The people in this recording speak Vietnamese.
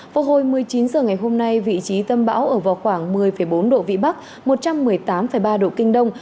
vào hồi một mươi chín h ngày hôm nay vị trí tâm bão ở vào khoảng một mươi bốn độ vĩ bắc một trăm một mươi tám ba độ kinh đông